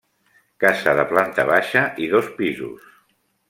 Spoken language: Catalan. Casa de planta baixa i dos pisos.